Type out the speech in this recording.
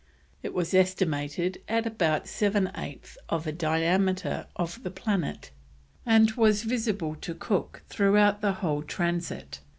It was estimated at about seven eighths of the diameter of the planet, and was visible to Cook throughout the whole Transit.